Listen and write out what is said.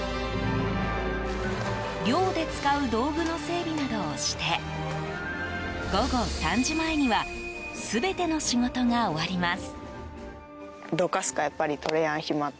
漁で使う道具の整備などをして午後３時前には全ての仕事が終わります。